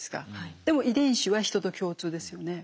でも遺伝子はヒトと共通ですよね。